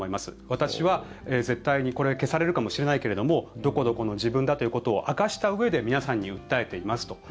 私は絶対に、これ消されるかもしれないけれどもどこどこの自分だということを明かしたうえで皆さんに訴えていますと。